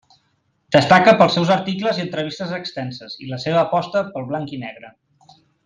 Destaca pels seus articles i entrevistes extenses, i la seva aposta pel blanc i negre.